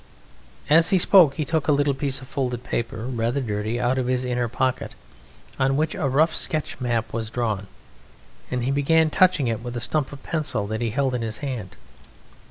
As he spoke he took a little piece of folded paper, rather dirty, out of his inner pocket, on which a rough sketch map was drawn, and he began touching it with a stump of pencil that he held in his hand.